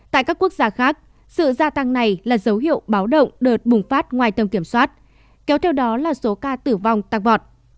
tại các quốc gia khác sự gia tăng này là dấu hiệu báo động đợt bùng phát ngoài tầm kiểm soát kéo theo đó là số ca tử vong tăng vọt